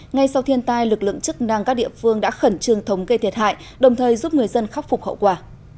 ngay sau thiên tai lực lượng chức năng các địa phương đã khẩn trương thống gây thiệt hại đồng thời giúp người dân khắc phục hậu quả